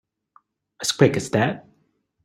As quick as that?